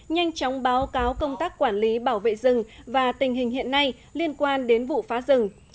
nhanh chóng báo cáo công tác quản lý bảo vệ rừng và tình hình hiện nay liên quan đến vụ phá rừng